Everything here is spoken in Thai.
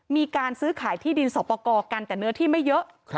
มีการซื้อขายที่ดินสอบประกอบกันแต่เนื้อที่ไม่เยอะ